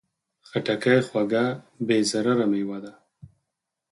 خټکی خوږه، بې ضرره مېوه ده.